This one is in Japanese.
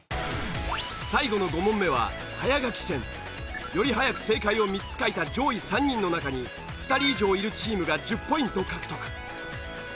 最後の５問目は早書き戦。より早く正解を３つ書いた上位３人の中に２人以上いるチームが１０ポイント獲得。